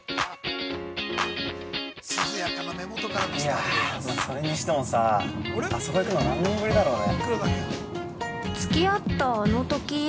◆いやー、それにしてもさ、あそこに行くの何年ぶりだろうね？